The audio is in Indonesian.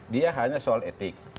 dia hanya soal etik